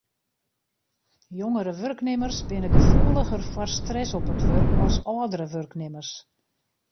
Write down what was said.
Jongere wurknimmers binne gefoeliger foar stress op it wurk as âldere wurknimmers.